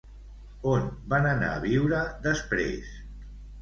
On van anar a viure després?